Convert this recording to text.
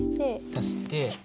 足して。